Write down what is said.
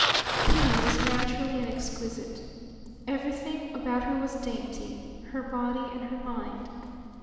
Kitty was naturally an exquisite. Everything about her was dainty, her body and her mind.